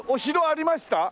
ありました。